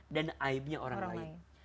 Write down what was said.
dan aibnya orang lain